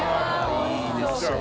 いいですね。